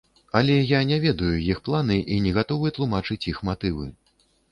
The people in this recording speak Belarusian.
Але я не ведаю іх планы і не гатовы тлумачыць іх матывы.